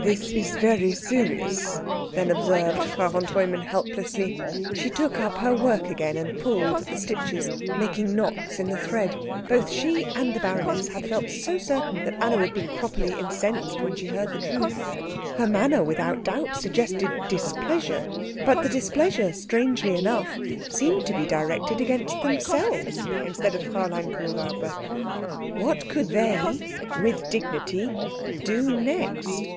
"This is very serious," then observed Frau von Treumann helplessly. She took up her work again and pulled at the stitches, making knots in the thread. Both she and the baroness had felt so certain that Anna would be properly incensed when she heard the truth. Her manner without doubt suggested displeasure, but the displeasure, strangely enough, seemed to be directed against themselves instead of Fräulein Kuhräuber. What could they, with dignity, do next?